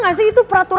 nih sampai tous